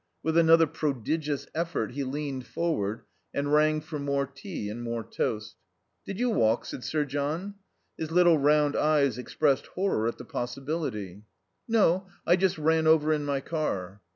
With another prodigious effort he leaned forward and rang for more tea and more toast. "Did you walk?" said Sir John. His little round eyes expressed horror at the possibility. "No, I just ran over in my car."